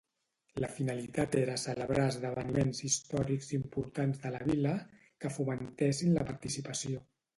La finalitat era celebrar esdeveniments històrics importants de la vila que fomentessin la participació.